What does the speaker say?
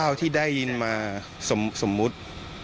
คร่าวที่ได้ยินมาสมมุติ